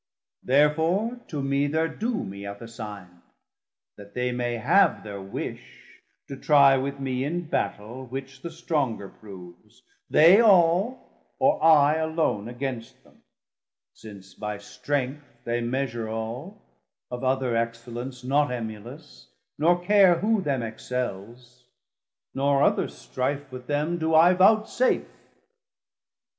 Therefore to mee thir doom he hath assig'n'd; That they may have thir wish, to trie with mee In Battel which the stronger proves, they all, Or I alone against them, since by strength 820 They measure all, of other excellence Not emulous, nor care who them excells; Nor other strife with them do I voutsafe.